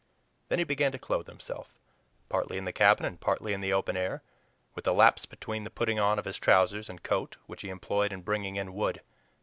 Then he began to clothe himself, partly in the cabin and partly in the open air, with a lapse between the putting on of his trousers and coat which he employed in bringing in wood.